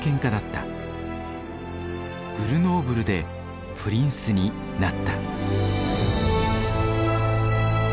グルノーブルでプリンスになった」。